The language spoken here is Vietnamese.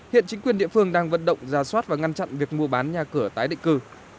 hiện chính quyền địa phương đang vận động ra soát và ngăn chặn việc mua bán nhà cửa tái định cư